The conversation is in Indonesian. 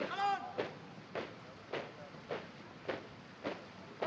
beri tanggung jawab